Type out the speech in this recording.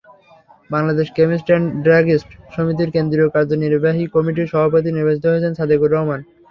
Bangladesh chemist and druggist সমিতির কেন্দ্রীয় কার্যনির্বাহী কমিটির সভাপতি নির্বাচিত হয়েছেন সাদেকুর রহমান।